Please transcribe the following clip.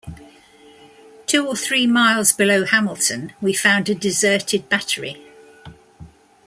Two or three miles below Hamilton we found a deserted battery.